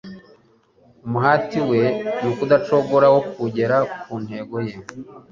Umuhati we udacogora wo kugera ku ntego ye,